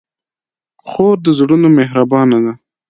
خور د زړونو مهربانه ده.